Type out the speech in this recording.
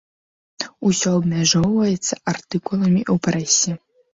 Усё абмяжоўваецца артыкуламі ў прэсе.